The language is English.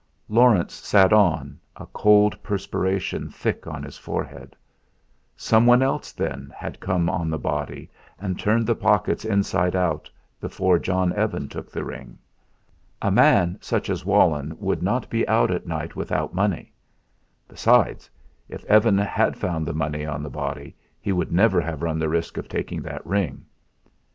Laurence sat on, a cold perspiration thick on his forehead. Someone else, then, had come on the body and turned the pockets inside out before John Evan took the ring. A man such as Walenn would not be out at night without money. Besides, if Evan had found money on the body he would never have run the risk of taking that ring.